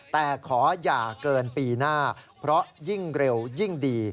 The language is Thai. แต่ขออย่าเกินปีหน้าเพราะยิ่งเร็วยิ่งดี